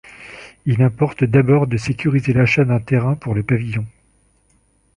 Il importe d'abord de sécuriser l'achat d'un terrain pour le pavillon.